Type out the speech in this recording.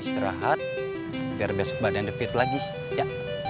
terakhir biar besok badan david lagi ya